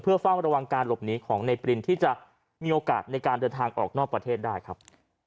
เฝ้าระวังการหลบหนีของในปรินที่จะมีโอกาสในการเดินทางออกนอกประเทศได้ครับ